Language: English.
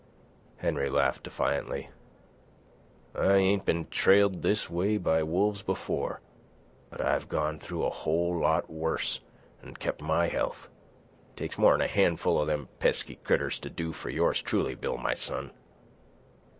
Henry laughed defiantly. "I ain't been trailed this way by wolves before, but I've gone through a whole lot worse an' kept my health. Takes more'n a handful of them pesky critters to do for yours truly, Bill, my son."